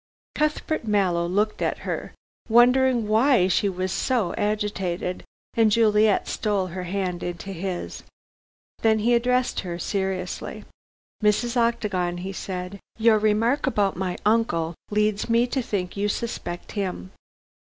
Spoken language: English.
Cuthbert Mallow looked at her, wondering why she was so agitated, and Juliet stole her hand into his. Then he addressed her seriously. "Mrs. Octagon," he said, "your remark about my uncle leads me to think you suspect him."